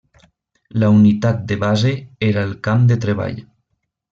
La unitat de base era el camp de treball.